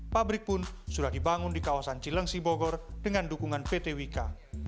pabrik pun sudah dibangun di kawasan cilengsi bogor dengan dukungan pt wika